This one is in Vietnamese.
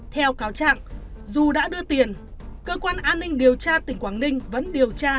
theo cáo trạng dù đã đưa tiền cơ quan an ninh điều tra tỉnh quảng ninh vẫn điều tra